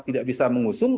tidak bisa mengusung